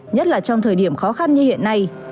nhất là trong thời điểm khó khăn như hiện nay